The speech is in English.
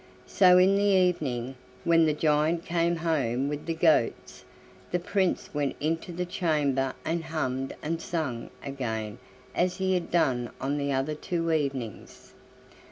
So in the evening, when the giant came home with the goats, the Prince went into the chamber and hummed and sang again as he had done on the other two evenings.